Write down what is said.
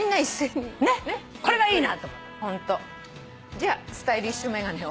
じゃスタイリッシュ眼鏡を。